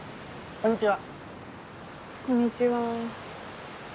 こんにちは。